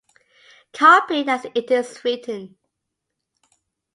Copied as it is written.